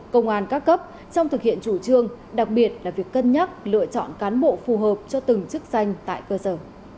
công an các cấp trong thực hiện chủ trương đặc biệt là việc cân nhắc lựa chọn cán bộ phù hợp cho từng chức danh tại cơ sở